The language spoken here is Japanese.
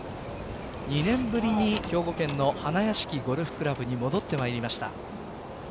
２年ぶりに兵庫県の花屋敷ゴルフ倶楽部に戻ってまいりました。